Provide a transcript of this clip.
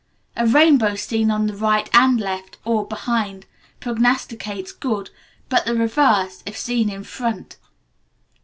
A rainbow seen on the right and left, or behind, prognosticates good, but the reverse if seen in front.